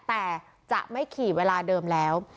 แต่จะไม่ขี่เวลาเดิมแล้ว